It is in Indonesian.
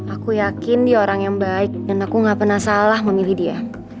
aku yakin dia orang yang baik dan aku gak pernah salah memilih dia